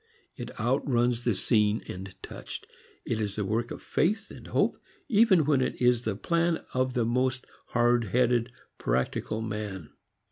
It outruns the seen and touched. It is the work of faith and hope even when it is the plan of the most hard headed "practical" man.